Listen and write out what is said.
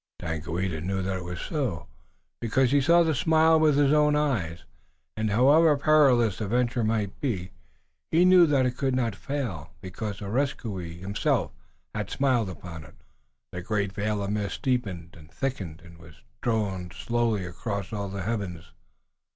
Daganoweda knew that it was so, because he saw the smile with his own eyes, and, however perilous the venture might be, he knew then it could not fail, because Areskoui himself had smiled upon it. The great veil of mist deepened and thickened and was drawn slowly across all the heavens.